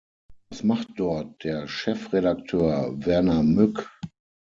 Was macht dort der Chefredakteur Werner Mück?